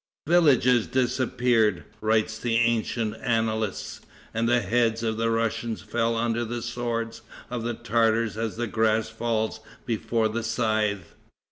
"Villages disappeared," write the ancient annalists, "and the heads of the Russians fell under the swords of the Tartars as the grass falls before the scythe."